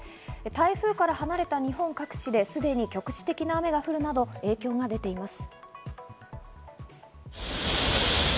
台風から離れた日本各地ですでに局地的な雨が降るなど影響が出ています。